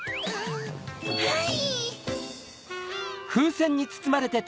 はい！